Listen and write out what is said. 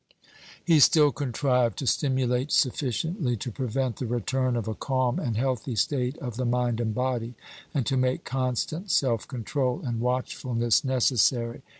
He still contrived to stimulate sufficiently to prevent the return of a calm and healthy state of the mind and body, and to make constant self control and watchfulness necessary.